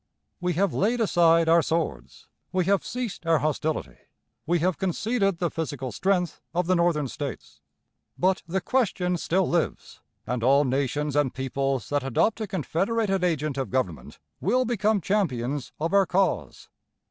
We have laid aside our swords; we have ceased our hostility; we have conceded the physical strength of the Northern States. But the question still lives, and all nations and peoples that adopt a confederated agent of government will become champions of our cause.